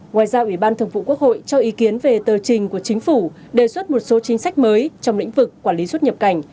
ngoài ra ủy ban thường vụ quốc hội cho ý kiến về tờ trình của chính phủ đề xuất một số chính sách mới trong lĩnh vực quản lý xuất nhập cảnh